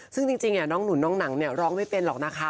ซึ่งจริงน้องหนุนน้องหนังเนี่ยร้องไม่เป็นหรอกนะคะ